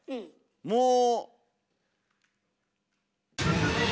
もう。